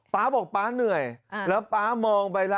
๊าบอกป๊าเหนื่อยแล้วป๊ามองไปแล้ว